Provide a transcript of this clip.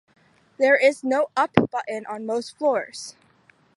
There is no "up" button on most floors.